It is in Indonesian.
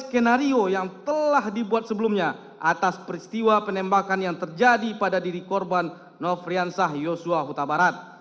skenario yang telah dibuat sebelumnya atas peristiwa penembakan yang terjadi pada diri korban nofriansah yosua huta barat